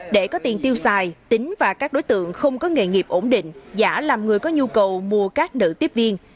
để có tiền tiêu xài tính và các đối tượng không có nghề nghiệp ổn định giả làm người có nhu cầu mua các nữ tiếp viên